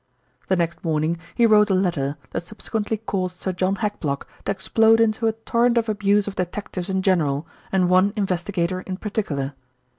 The next morning he wrote a letter that subsequently caused Sir John Hackblock to explode into a torrent of abuse of detectives in general and one investigator in particular.